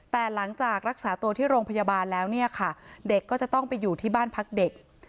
แต่หลังจากรักษาตัวที่โรงพยาบาลแล้วเนี่ยค่ะเด็กก็จะต้องไปอยู่ที่บ้านพักเด็ก